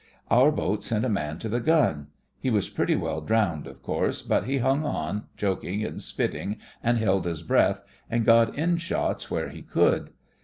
Our boat sent a man to the gun. He was pretty well drowned, of course, but he hung on, choking and spitting, and held his breath, and got in shots where he could.